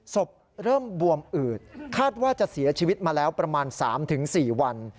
ศพเริ่มบวมอืดคาดว่าจะเสียชีวิตมาแล้วประมาณ๓๔วัน